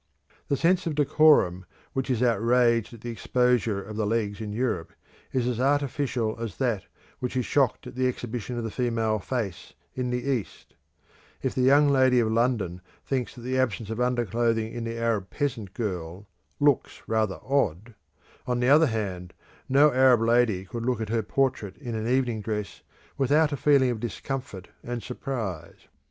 The sense of decorum which is outraged at the exposure of the legs in Europe is as artificial as that which is shocked at the exhibition of the female face in the East: if the young lady of London thinks that the absence of underclothing in the Arab peasant girl "looks rather odd," on the other hand no Arab lady could look at her portrait in an evening dress without a feeling of discomfort and surprise.